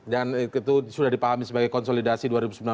dan itu sudah dipahami sebagai konsolidasi dua ribu sembilan belas